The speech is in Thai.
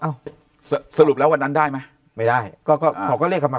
สรุปแล้ววันนั้นได้ไหมไม่ได้ก็ก็เขาก็เรียกกลับมา